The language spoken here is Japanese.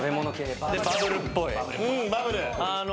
でバブルっぽい。